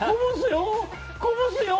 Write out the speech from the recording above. こぼすよ。